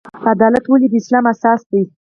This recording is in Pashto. عدالت ولې د اسلام اساس دی؟